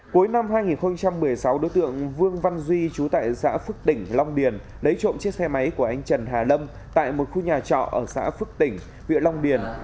cuối năm hai nghìn một mươi sáu đối tượng vương văn duy chú tại xã phước tỉnh long điền lấy trộm chiếc xe máy của anh trần hà lâm tại một khu nhà trọ ở xã phước tỉnh huyện long điền